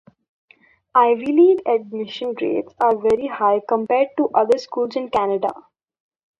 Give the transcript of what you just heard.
Ivy League admission rates are very high compared to other schools in Canada.